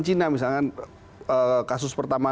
cina misalkan kasus pertama